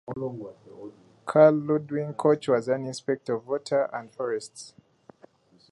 Carl Ludwig Koch was an inspector of water and forests.